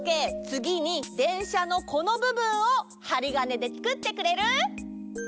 つぎにでんしゃのこのぶぶんをハリガネでつくってくれる？